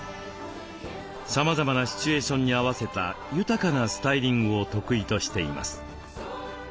さまざまなシチュエーションに合わせた豊かなスタイリングを得意としています。